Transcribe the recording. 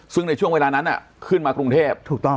ซึ่งในช่วงเวลานั้นขึ้นมากรุงเทพถูกต้อง